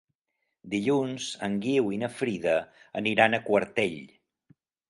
Dilluns en Guiu i na Frida aniran a Quartell.